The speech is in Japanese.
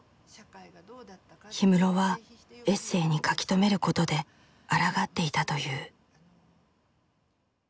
氷室はエッセイに書き留めることであらがっていたという。